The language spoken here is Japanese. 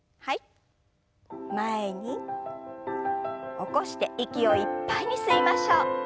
起こして息をいっぱいに吸いましょう。